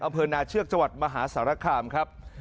อำเภอนาเชือกจังหวัดมหาสารคามครับ